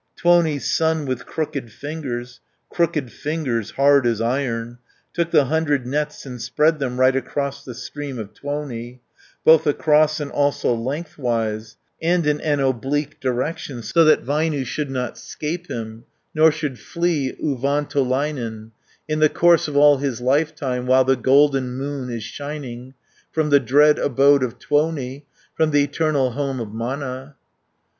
350 Tuoni's son with crooked fingers. Crooked fingers hard as iron, Took the hundred nets, and spread them Right across the stream of Tuoni, Both across and also lengthwise, And in an oblique direction So that Väinö should not 'scape him, Nor should flee Uvantolainen, In the course of all his lifetime, While the golden moon is shining, 360 From the dread abode of Tuoni, From the eternal home of Mana.